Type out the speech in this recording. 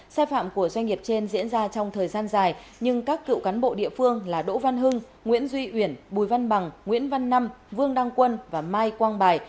sai phạm của doanh nghiệp trên diễn ra trong thời gian dài nhưng các cựu cán bộ địa phương là đỗ văn hưng nguyễn duy uyển bùi văn bằng nguyễn văn năm vương đăng quân và mai quang bài